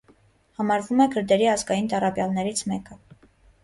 Համարվում է քրդերի ազգային տառապյալներից մեկը։